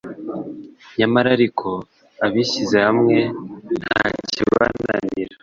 nyamara ariko “abishyize hamwe ntakibananira”.